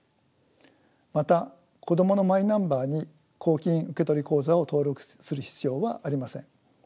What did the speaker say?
また子供のマイナンバーに公金受取口座を登録する必要はありません。